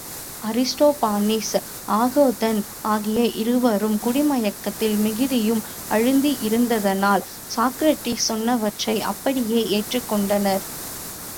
Aristophanes, அகோதன் ஆகிய இருவரும் குடிமயக்கத்தில் மிகுதியும் அழுந்தி இருந்ததனால் சாக்ரடிஸ் சொன்னவற்றை அப்படியே ஏற்றுக் கொண்டனர்.